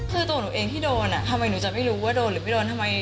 คือตัวหนูเองที่โดนทำไมหนูจะไม่รู้ว่าโดนหรือไม่โดนทำไม